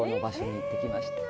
行ってきました。